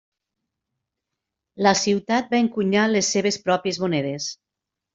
La ciutat va encunyar les seves pròpies monedes.